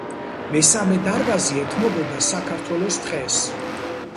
მესამე დარბაზი ეთმობოდა საქართველოს ტყეს.